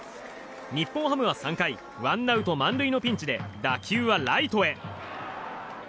日本ハムは３回ワンアウト満塁のピンチで打球はライトへ。